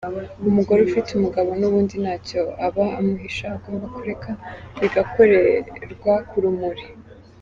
Umugore ufite umugabo n’ubundi ntacyo aba amuhisha agomba kureka bigakorerwa ku rumuri.